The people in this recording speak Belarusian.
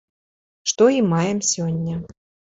Што і маем сёння.